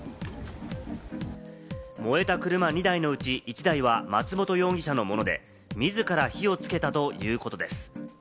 燃えた車２台のうち１台は松本容疑者のもので、自ら火をつけたということです。